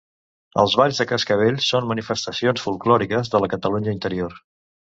Els balls de Cascavells són manifestacions folklòriques de la Catalunya Interior.